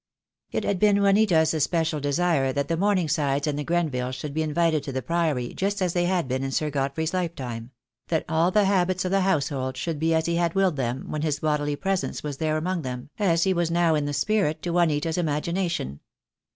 It had been Juanita's especial desire that the Morn The Day •mill come. I. \a 2IO THE DAY WILL COME. ingsides and the Grenvilles should be invited to the Priory just as they had been in Sir Godfrey's lifetime — that all the habits of the household should be as he had willed them when his bodily presence was there among them, as he was now in the spirit, to Juanita's imagina tion.